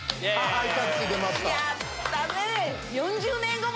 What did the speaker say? ハイタッチ出ました。